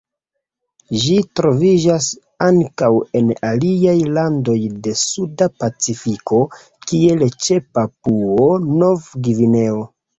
Ĝi troviĝas ankaŭ en aliaj landoj de Suda Pacifiko, kiel ĉe Papuo-Nov-Gvineo.